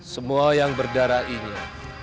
semua yang berdarah ini